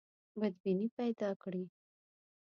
بدبیني پیدا کړي.